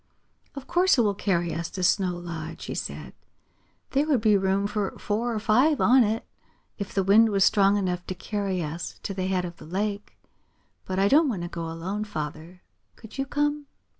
"Of course it will carry us to Snow Lodge," he said. "There would be room for four or five on it, if the wind was strong enough to carry us to the head of the lake. But I don't want to go alone, Father. Could you come?"